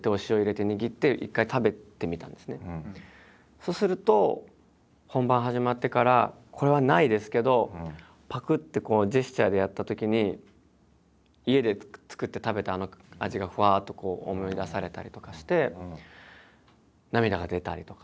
そうすると本番始まってからこれはないですけどぱくってこうジェスチャーでやったときに家で作って食べたあの味がふわっとこう思い出されたりとかして涙が出たりとか。